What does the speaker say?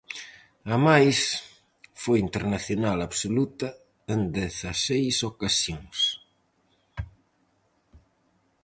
Amais, foi internacional absoluta en dezaseis ocasións.